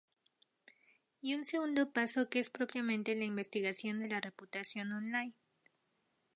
Y un segundo paso, que es propiamente la investigación de la reputación online.